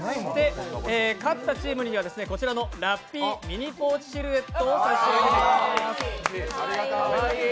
勝ったチームにはこちらのラッピーミニポーチシルエットを差し上げます。